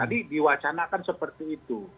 jadi diwacanakan seperti itu